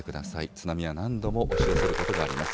津波は何度も押し寄せることがあります。